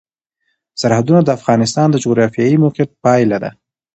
سرحدونه د افغانستان د جغرافیایي موقیعت پایله ده.